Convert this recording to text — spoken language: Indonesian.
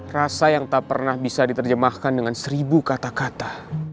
rasa yang tak pernah bisa diterjemahkan dengan seribu kata kata